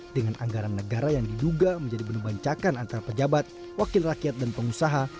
dengan anggaran negara yang diduga menjadi penuh bancakan antara pejabat wakil rakyat dan pengusaha